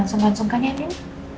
jangan sungkan sungkan ya din